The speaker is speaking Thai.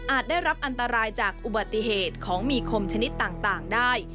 ได้รับอันตรายจากอุบัติเหตุของมีคมชนิดต่างได้